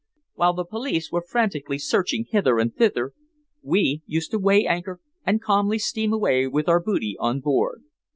While the police were frantically searching hither and thither, we used to weigh anchor and calmly steam away with our booty on board.